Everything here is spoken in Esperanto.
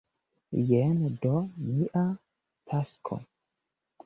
Jen do mia tasko!